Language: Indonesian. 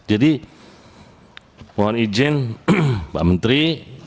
jadi mohon izin pak menteri